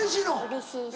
うれしいし。